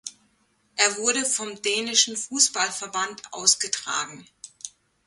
Er wurde vom dänischen Fußballverband ausgetragen.